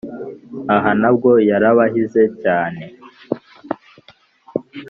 aha nabwo yarabahize cyane